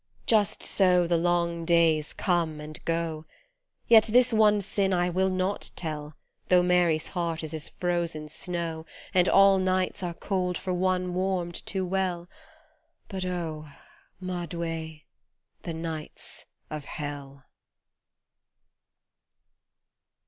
Just so the long days come and go, Yet this one sin I will not tell Though Mary's heart is as frozen snow And all nights are cold for one warmed too well. But, oh ! ma Doue ! the nights of Hell